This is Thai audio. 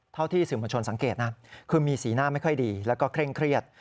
ที่สื่อมวลชนสังเกตนะคือมีสีหน้าไม่ค่อยดีแล้วก็เคร่งเครียด